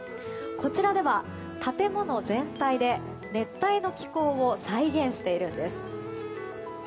こちらでは建物全体で熱帯の気候を再現しているんです。